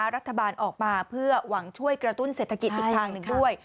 รัฐบาลออกมาเพื่อหวังช่วยกระตุ้นเศรษฐกิจอีกทางหนึ่งด้วย